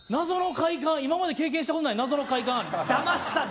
今まで経験したことのない謎の快感ありますね。